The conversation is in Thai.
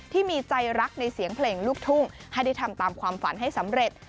ที่มีใจรักในเสียงเพลงลูกทุ่งให้ได้ทำตามความฝันให้สำเร็จ